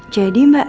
jadi mbak andi